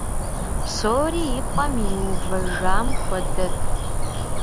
Псори и пӏэм иувэжам хуэдэт.